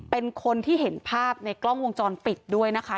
เป็นคนที่เห็นภาพในกล้องวงจรปิดด้วยนะคะ